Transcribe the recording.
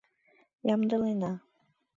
Ямдылена.